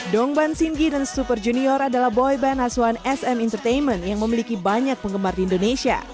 dongban singgi dan super junior adalah boyband asuhan sm entertainment yang memiliki banyak penggemar di indonesia